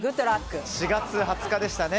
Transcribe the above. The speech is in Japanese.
４月２０日でしたね。